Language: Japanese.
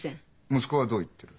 息子はどう言ってる？